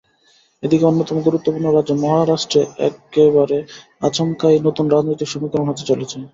এদিকে অন্যতম গুরুত্বপূর্ণ রাজ্য মহারাষ্ট্রে একেবারে আচমকাই নতুন রাজনৈতিক সমীকরণ হতে চলেছে।